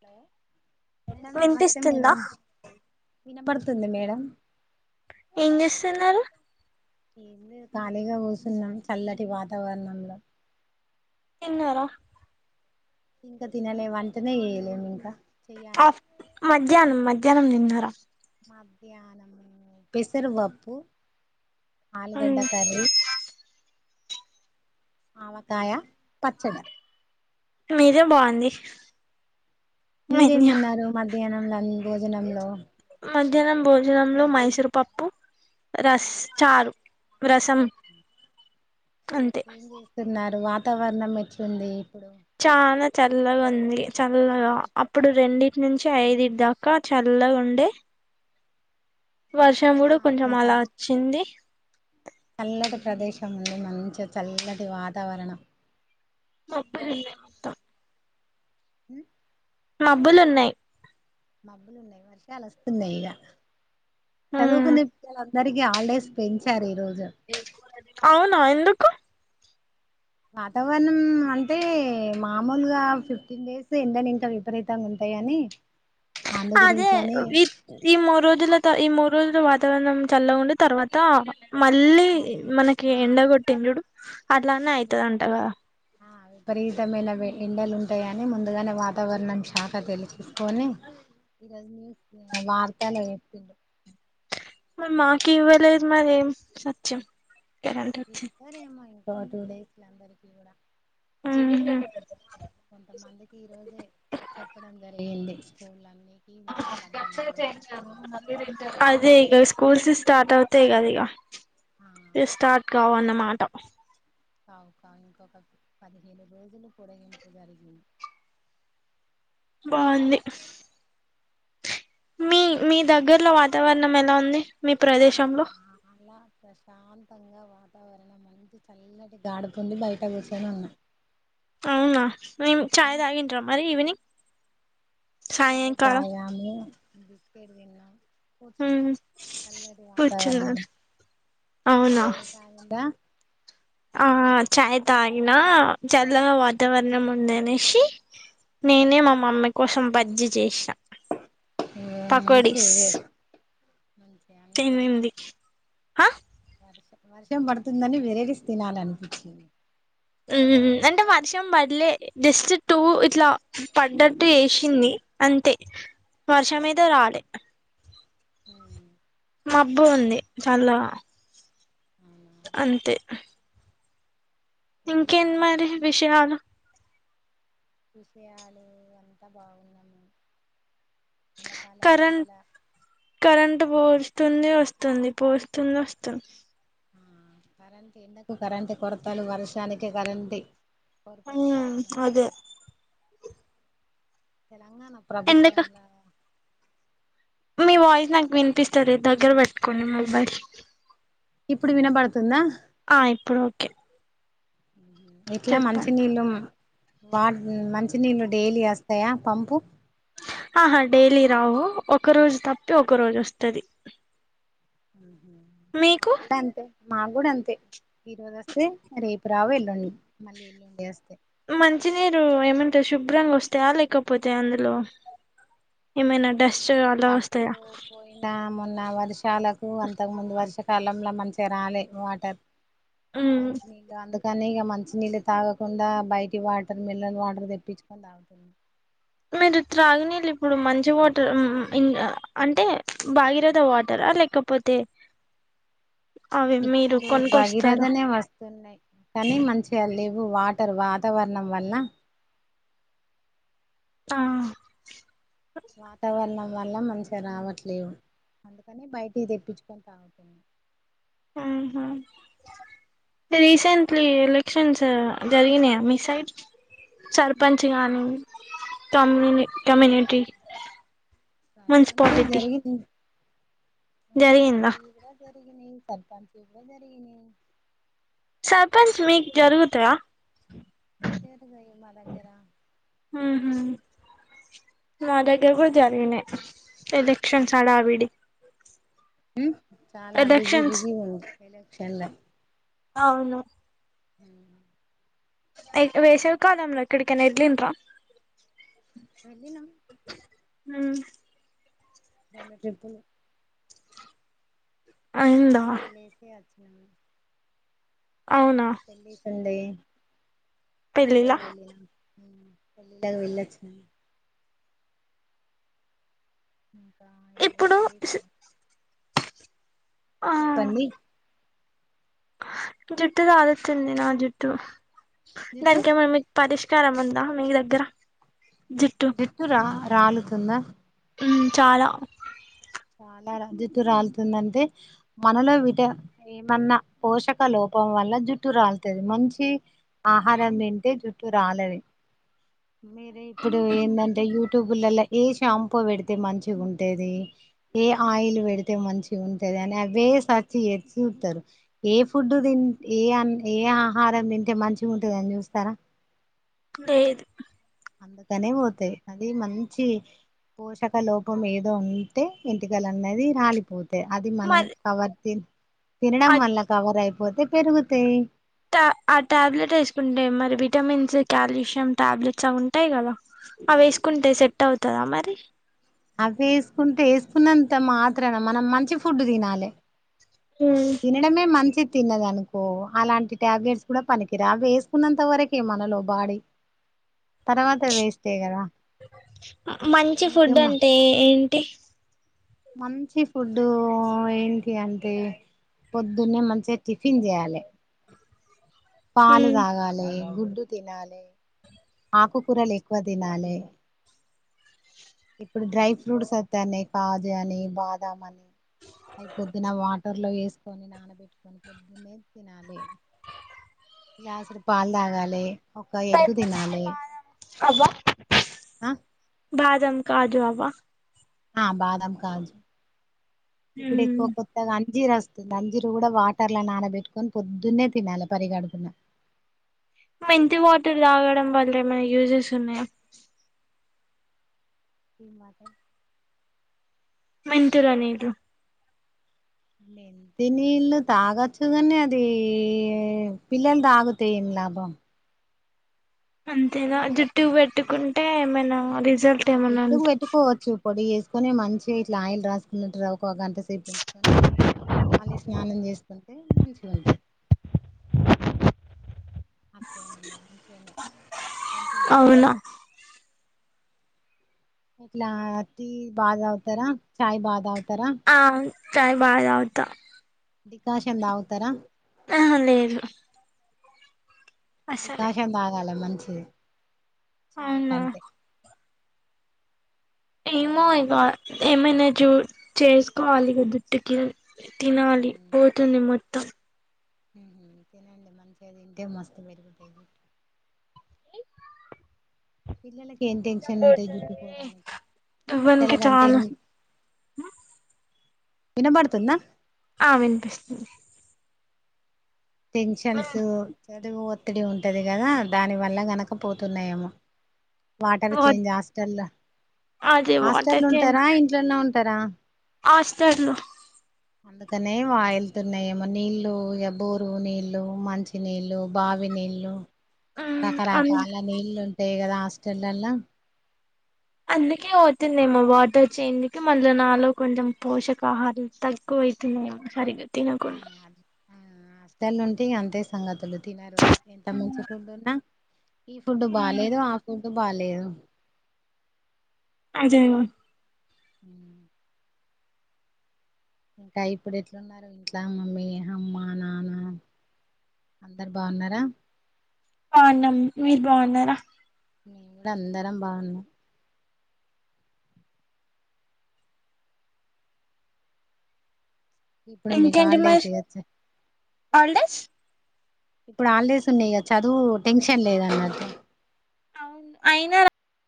Hello madam నమస్తే వినిపిస్తుందా madam వినపడుతుంది మేడం ఏం ఇంద.... చేస్తున్నారు ఖాళీగా కూచున్నాం చల్లటి వాతావరణం లో తిన్నార ఇంకా తినలే వంటనే చేయలేదు ఇంకా చెయ్యాలి ఆఫ్ మధ్యాహ్నం మధ్యాహ్నం తిన్నార మధ్యాహనం పెసరువప్పు ఆలుగడ్డ కర్రీ ఆవకాయ పచ్చడ మీదే బాగుంది మీరేం మెన్యూ తిన్నారు మధ్యాహ్నంల మీ భోజనంలో మధ్యాహ్నం భోజనంలో మైసూరు పప్పు రస్ చారు రసం అంతే ఏం చేస్తున్నారు వాతావరణం ఎట్లుంది చాలా చల్లగా ఉంది చల్లగా చాలా అప్పుడు రెండిట్ నుంచి ఐదుటి దాకా చల్లగా ఉండే వర్షం ఆ గూడా కొంచం ఈరోజు అలా వచ్చింది చల్లటి ప్రదేశం ఉంది మంచిగా చల్లటి వాతావరణం మబ్బు ఉన్నయ్ ఉ మబ్బులు ఉన్నాయి మబ్బులు ఉన్నాయి వర్షాలు వస్తున్నాయి ఇగా చదువుకునే పిల్లల అందరికీ హాలిడేస్ పెంచారు ఈరోజు అవునా ఎందుకు వాతావరణం అంటే మామూలుగా ఫిఫ్టీన్ డేస్ ఎండ్లు ఇంకా విపరీతంగా ఉంటాయని ఆఆఆ....... అదే విక్ ఈ మూడు రోజుల ఈ మూడు రోజుల వాతావరణం చల్ల ఉండి తర్వాత. మళ్ళీ మనకి ఎండగొట్టింది చూడు అట్లానే అయితంట గదా ఆ.... విపరీతమైన ఎండలు ఉంటాయని ముందుగానే వాతావరణం శాఖ తెలుసుకొని ఈ రోజు న్యూస్ వార్తలు చెప్పిన్రు మాకి ఇవ్వలేదు మరి ఏం సత్యం కరెంట్ వచ్చింది సరేమ్మ ఇంకో టూ డేస్ అందరికీ గూడా ఉహు కొంతమందికి ఈ రోజే చెప్పడం జరిగింది స్కూల్ అన్ని ఇంకా పదిహేను రోజులు సెలవలు అదే ఇగా స్కూల్స్ స్టార్ట్ అవుతాయి గదా ఇగా ఆ ఇ స్టార్ట్ కావన్నమాట.... కావు కా ఇంకొక పదిహేను రోజులు పోడగింపు జరిగింది బాగుంది. మీ మీ ఇంకా దగ్గరలో వాతావరణం ఎలా ఉంది మీ ప్రదేశంలో చాల ప్రశాంతంగా వాత వరన మంచి చల్లటి గాడతోండి బయట కూసోని ఉన్నా అవునా నం చాయ్ ఉమ్, తాగింరా మరి ఈవెనింగ్. చాయ్ తాగాము బిస్కెట్థిన్నామ్ ఉ వాతావరణం కూర్చున్నారు అవునా. దా ఆ చాయ్ తాగినా చల్లగ వాతావరణం ఉంది అనేసి ఆ, నేనే మా మమ్మి కోసం బజ్జి చేసిన ఆ మంచిది పకోడీస్ వే మంచి అన్ని తినింది వెరైటీస్ హ్ వర్షం పడుతుందని వెరైటీస్ తినాలనిపించింది. ఊ అంటే వర్షం బడ్లే జస్ట్ టూ ఇట్లా పడ్డట్టు జేసింది అంతే వర్షం ఐతే రాలే ఉ మబ్బు ఉంది చల్లగా అవును అంతే ఏం ఇంకేంది చేస్తాం మరి ప్రస్తుతం విషయాలు విషయాలు అంత బాగున్నము ఎండాకాలంలో ఎండల కరెంటు బోస్తుంది ఒస్తుంది పోస్తుంది ఒస్తుంది కరెంటు ఎండకు కరెంటి కొరతలు వర్షనికి కరెంటి కొరతలు ఉమ్ చాన అదే తెలంగాణ ఎండక ప్రభుత్వంల మీ వాయిస్ నాక్ వినిపిస్తలేద్ దగ్గర బెట్టుకోండి మొబైల్ ఇప్పుడు వినబడుతుంద ఆ ఇప్పుడు ఒకే ఎట్ల మంచి నీళ్ళు ఉమ్ వాడ్ మంచినీళ్ళు డేలి వస్తాయ పంపు అహా డేలీ రావు ఒక రోజు తప్పితె ఒక రోజు ఒస్తది మీకు [unintelligible] మాకు గుడ అంతే ఈ రోజు అస్తే రేపు రావు ఎల్లుండి మళ్ళీ ఎల్లుండి వస్తె మంచి నీరు ఏమంటే శుభ్రంగ ఒస్తయ లేకపోతే అందులో ఏమైన డస్ [unintelligible] నా మొన్న వర్షాలకూ అంతకు ముందు వర్షాకాలంల మంచిగ రాలే వాటర్ మ్మ్ మంచి నీళ్లు [unintelligible] కనీ ఇగ మంచి నీళ్ళు తాగకుండా బయటి వాటర్ మిన్రల్ వాటర్ దెప్పిచుకొని దాగుతం [unintelligible] మీరు త్రాగునీళ్ళు ఇప్పుడు మంచి వాటర్ ఉమ్ ఉమ్ ఇంగ అంటే భాగీరథ వాటర లేకపో తే ఇప్పుడూ కొనుకొస్తారా భగీరథనే వస్తున్నాయ్ కనీ మం [unintelligible] వాటర్ వాతావరణం వల్ల ఆ వాతావరణం వల్ల మంచిగ రావట్లేవు అందుకని బయటియి దెప్పించుకొని తాగుతున్నం ఆహా రీసెంట్లీ ఎలక్షన్స్ జరిగినయ మీ సైడ్? మా సర్పంచ్ గానీ సైడ్ కమ్యుని కమ్యునిటి [unintelligible] జరిగింది జరిగిందా మున్సిపాలిటీ గుడ జరిగినయి సర్పంచ్ వి గుడ జరిగినయ్ సర్పంచ్ మీక్ జరుగుతయ జరగై మా దగ్గర ఊహు మా దగ్గర గుడ జరిగినయ్ ఎలెక్షన్స్ హడ విడి చాల బిజీ ఎలక్షన్స్ బిజీ ఉంది ఎలక్షన్ల అవును హు వేషవి కాలం లో ఎక్కడికైన [unintelligible] వెళ్ళిన హు రెండు ట్రిప్పుల్ అయింద వెళ్ళేసే అచ్చిన అవున [unintelligible] పెళ్ళిలా పెళ్ళిలకి వెళ్ళన పెళ్లిళ్లకు వెళ్ళొచ్చి ఇప్పుడు ఆ చెప్పండి జుట్టు రాలుతుంది నా జుట్టు జుట్టు దానికేమన్న పరిష్కారం ఉందా మీ దగ్గరా జుట్టు జుట్టు రా రాలుతుందా ఉమ్ చాలా చాలా రా జట్టు రాలుతుందంటే మనలో విట ఏమన్నా పోషక లోపం వల్ల జుట్టు రాలుతది మంచి ఆహారం తింటే జుట్టు రాలది మీరు ఇప్పుడు ఏందంటే యూట్యూబ్ల్ల లో ఏ షాంపూ పెడితే మంచిగా ఉంటది ఏ ఆయిల్ పెడితే మంచిగా ఉంటది అని అవే సర్చ్ చేసి చూతారు ఏ ఫుడ్డు తి ఏ అ ఏ ఆహారం తింటే మంచిగా ఉంటుందని చూస్తారా లేదు అందుకనే పోతాయి అది మంచి పోషక లోపం ఏదో ఉంటే ఎంటికలు అన్నది రాలి పోతై అది మనం మరి కవర్ త తినడం ఆ వల్ల కవర్ అయిపోతే పెరుగుతాయి ఆ టా ట్యాబ్లెట్ వేసుకుంటే మరి విటమిన్స్ కాల్షియం టాబ్లెట్స్ అవి ఉంటాయి కదా అవి వేసుకుంటే సెట్ అవుతదా మరి అవి వేసుకుంటే వేసుకున్నంత మాత్రాన మనం మంచి ఫుడ్ తినాలి హ తినడమే మంచి తిన్నదనుకో అలాంటి టాబ్లెట్స్ కూడా పనికిరావు వేసుకున్నంత వరకే మనలో బాడీ తర్వాత వేస్టే కదా మంచి అందుకే ఫుడ్ మ అంటే ఏంటి మంచి ఫుడ్డు ఏంటి అంటే పొద్దున్నే మంచిగా టిఫిన్ చేయాలి పాలు తాగాలి గుడ్డు తినాలి ఆకుకూరలు ఎక్కువ తినాలే ఇప్పుడు డ్రై ఫ్రూట్స్ వస్తాన్నాయి కాజు అని బాదాం అని అవి పొద్దున వాటర్ లో వేసుకొని నానబెట్టుకొని పొద్దున్నే తినాలి గ్లాసడు పాలు తాగాలే ఒక ఎగ్గు తినాలి అవ్వ ఆ బాదం కాజు అవ్వ ఆ బాదం కాజు ఇప్పుడు ఎక్కువ కొత్తగా అంజీర వస్తుంది అంజీరు కూడా వాటర్ నానబెట్టుకొని పొద్దున్నే తినాలి పరిగడుపున మెంతి వాటర్ తాగడం వల్ల ఏమైనా యూజెస్ ఉన్నాయా ఏం వాటర్ మెంతుల నీళ్లు లే మెంతి నీళ్ళు తాగచ్చు కానీ అది పిల్లలు తాగుతే ఏం లాభం అంతేనా జుట్టుకు అది పెట్టుకుంటే ఏమైనా రిజల్ట్ ఆ ఏమన్నా జట్టు కు ఉంట పెట్టు కొవచ్చు పొడి చేసుకొని మంచిగా ఇట్లా ఆయిల్ రాసుకున్నట్ రా ఒక గంట సేపు ఉంచుకొని మళ్ళీ స్నానం చేస్తుంటే మంచిగా ఉంటది అట్లా ఏముండదు మంచిగానే మెంతులు అవునా రాసుకోవచ్చు ఇట్లా టీ బాగా తాగుతారా చాయ్ బాగా తాగుతారా ఆ ఛాయ్ బాగా తాగుతా డికాషన్ తాగుతరా ఆహా లేదు అసలే డికాషన్ తాగాల మంచిది చాయ్ అవునా కంటే ఏమో మేము ఇగ ఏమన చూ చేసుకోవాలి ఇగ జుట్టుకి తినాలి పోతుంది మొత్తం హ్మ్ హు తినండి మంచిగ తింటే మస్తు పెరుగుతది జుట్టు పిల్లకి ఏమ్ టెన్షన్ ఏముంటయ్ జుట్టు పొడానికి పెద్దల దువ్వనికి కంటే చాలా ఎన్ వినబడుతుందా ఆ వినిపిస్తుంది టెన్షన్స్ చదువు ఒత్తిడి ఉంటది కదా దాని వల్ల గనక పోతున్నాయేమో వాటర్ చేంజ్ హాస్టల అదే హాస్టల్ల వాటర్ ఉంటరా ఇంట్లోనే ఉంటారా హాస్టల్ లో అందుకనే వాయిల్తున్నాయేమో నీళ్లు ఇగ బోరు నీళ్లు మంచి నీళ్ళు బావి నీళ్ళు రకరకాల నీళ్ళు ఉంటాయి కదా హాస్టల్లల్ల అందుకే అవుతుందేమో వాటర్ చేంజ్ కి మల్ల నాలో కొంచం పోషకాహారాలు తక్కువ అవుతున్నాయమో సరిగా [inaudible] ఆ హాస్టల్ లో ఉంటే ఇంగ అంతే సంగతులు తినరు ఎంత మంచి ఫుడ్ ఉన్నా ఈ ఫుడ్ బాలేదు ఆ ఫుడ్ బాలేదు అజేయవా ఉమ్ ఇంకా ఇప్పుడు ఎట్లున్నారు ఇంట్లా మమ్మీ అమ్మ నాన్న అందరు బాగున్నారా బాగున్నాం మీరు బాగున్నారా మేము కూడా అందరం బాగున్నామ్ ఇప్పుడు మీకు ఇంకేంటి హాలిడేస్ మశ్ ఇయొచ్చు హాల్డేస్ ఇప్పుడు హాల్డేస్ ఉన్నాయి కదా చదువు టెన్షన్ లేదు అన్నట్టు అయినా